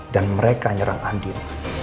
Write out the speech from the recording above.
dan mereka nyerang andin